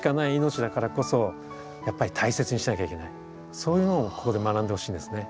そういうのをここで学んでほしいんですね。